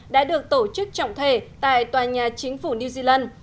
đã được tổ chức trọng thể tại tòa nhà chính phủ new zealand